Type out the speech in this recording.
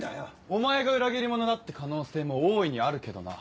お前が裏切り者だって可能性も大いにあるけどな。